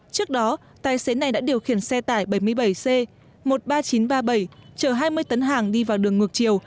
trước đó tài xế này đã điều khiển xe tải bảy mươi bảy c một mươi ba nghìn chín trăm ba mươi bảy chờ hai mươi tấn hàng đi vào đường ngược chiều